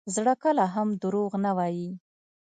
زړه کله هم دروغ نه وایي.